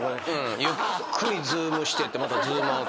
ゆっくりズームしてってまたズームアウト。